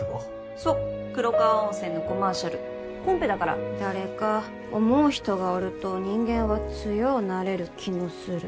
そう黒川温泉のコマーシャルコンペだから誰か思う人がおると人間は強うなれる気のする